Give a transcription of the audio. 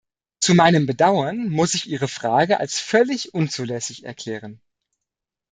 Zum meinem Bedauern muss ich Ihre Frage als völlig unzulässig erklären.